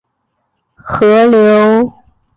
香江是一条越南中部的河流。